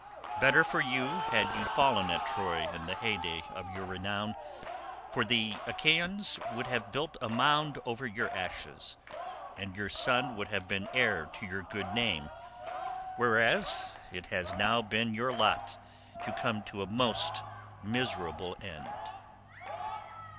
Better for you had you fallen at Troy in the hey day of your renown, for the Achaeans would have built a mound over your ashes, and your son would have been heir to your good name, whereas it has now been your lot to come to a most miserable end."